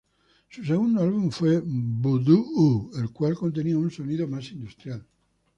Su segundo álbum fue "Voodoo-U", el cual contenía un sonido más industrial.